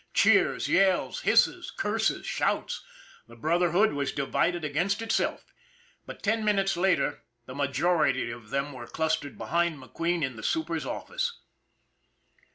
Cheers, yells, hisses, curses, shouts the Brotherhood was divided against itself. But ten minutes later, the majority of them were clustered behind McQueen in the super's office.